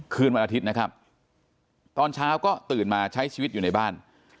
คืนวันอาทิตย์นะครับตอนเช้าก็ตื่นมาใช้ชีวิตอยู่ในบ้าน